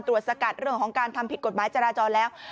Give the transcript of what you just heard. สกัดเรื่องของการทำผิดกฎหมายจราจรแล้ว